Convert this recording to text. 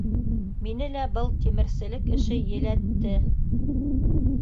Мине лә был тимерселек эше еләтте.